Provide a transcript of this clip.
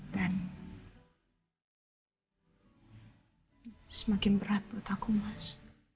dan semakin berat buat aku mas